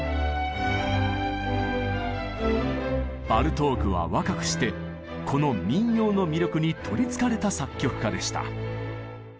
バルトークは若くしてこの民謡の魅力に取りつかれた作曲家でした。